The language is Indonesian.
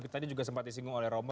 tadi juga sempat disinggung oleh romo